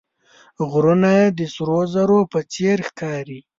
غرونه د سرو زرو په څېر ښکاري